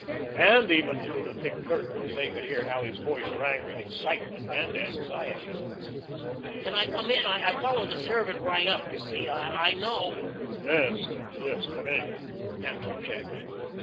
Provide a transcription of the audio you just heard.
And even through the thick curtains they could hear how his voice rang with excitement and anxiety. "Can I come in? I followed the servant right up, you see. I know " "Yes, yes. Come in," answered Jadwin.